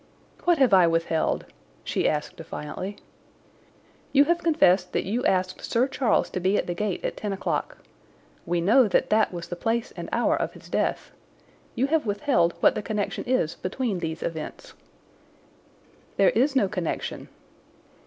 "What have I withheld?" she asked defiantly. "You have confessed that you asked Sir Charles to be at the gate at ten o'clock. We know that that was the place and hour of his death. You have withheld what the connection is between these events." "There is no connection."